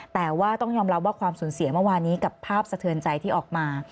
แต่ว่าต้องยอมรับว่าความสูญเสียเมื่อวานี้กับภาพสะเทือนใจที่ออกมา